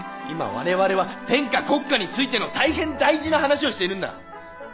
今我々は天下国家についての大変大事な話をしているんだ！